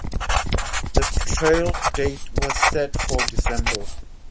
The trial date was set for December.